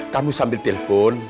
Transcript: kamu sambil telpon